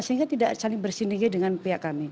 sehingga tidak saling bersinega dengan pihak kami